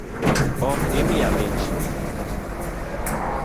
Ok imiya mich?